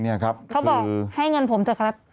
นี่ครับคือเขาบอกให้เงินผมเถอะครับ